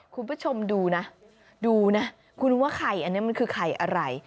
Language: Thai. คุณผู้ชมดูนะดูนะคุณว่าไข่อันนี้มันคือไข่อะไร